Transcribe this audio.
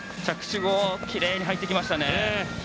着地もきれいに入ってきました。